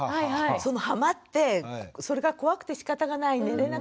そのハマってそれが怖くてしかたがない寝れなくなる。